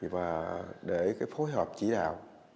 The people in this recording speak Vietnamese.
và để cái phối hợp chỉ đạo